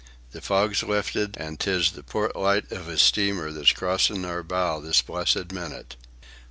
The fog's lifted, an' 'tis the port light iv a steamer that's crossin' our bow this blessed minute."